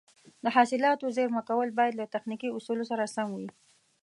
د حاصلاتو زېرمه کول باید له تخنیکي اصولو سره سم وي.